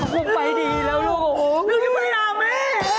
หรือจะไปหาแม่